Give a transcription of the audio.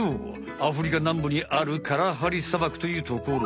アフリカなんぶにあるカラハリ砂漠というところ。